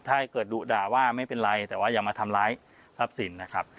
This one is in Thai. ถ้าเกิดดุด่าว่าไม่เป็นไรแต่ว่าอย่ามาทำร้ายทรัพย์สินนะครับ